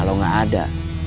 kalau gak ada